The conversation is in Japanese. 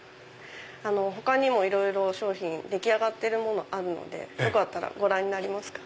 他にもいろいろ商品出来上がってるものあるのでよかったらご覧になりますか？